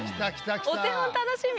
お手本楽しみ。